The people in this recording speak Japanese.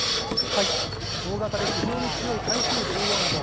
大型で非常に強い台風１４号。